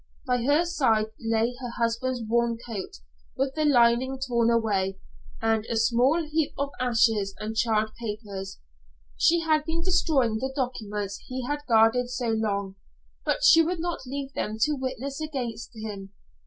By her side lay her husband's worn coat, with the lining torn away, and a small heap of ashes and charred papers. She had been destroying the documents he had guarded so long. She would not leave them to witness against him.